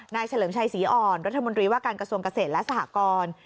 เฉลิมชัยศรีอ่อนรัฐมนตรีว่าการกระทรวงเกษตรและสหกร